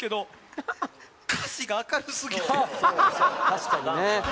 確かにね